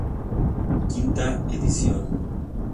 Quinta edición.